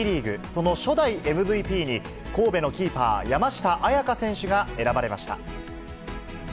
その初代ＭＶＰに、神戸のキーパー、山下杏也加選手が選ばれました。